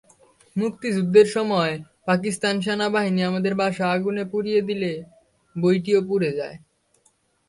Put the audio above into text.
মুক্তিযুদ্ধের সময় পাকিস্তান সেনাবাহিনী আমাদের বাসা আগুনে পুড়িয়ে দিলে বইটিও পুড়ে যায়।